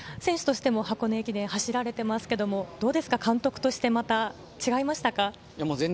選手としても箱根駅伝を走られていますが、どうですか、監督としてはまた違いましたか？